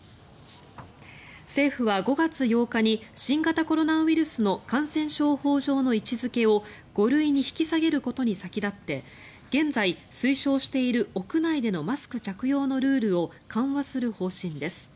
政府は５月８日に新型コロナウイルスの感染症法上の位置付けを５類に引き下げることに先立って現在推奨している屋内でのマスク着用のルールを緩和する方針です。